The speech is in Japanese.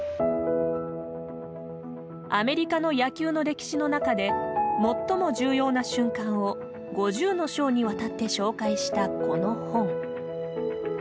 アメリカの野球の歴史の中で最も重要な瞬間を５０の章にわたって紹介したこの本。